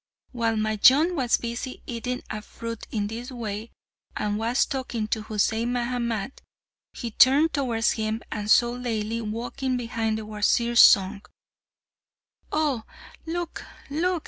While Majnun was busy eating a fruit in this way, and was talking to Husain Mahamat, he turned towards him and saw Laili walking behind the Wazir's son. "Oh, look, look!"